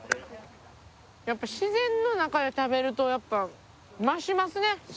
やっぱ自然の中で食べるとやっぱ増しますね